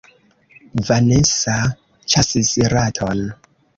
Vanesa ĉasis raton.